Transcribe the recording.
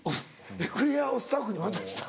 エクレアをスタッフに渡した。